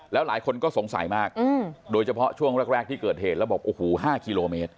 แล้วหลายคนก็สงสัยมากโดยเฉพาะช่วงแรกที่เกิดเหตุแล้วบอกโอ้โห๕กิโลเมตร